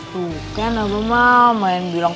bukan abah ma main bilang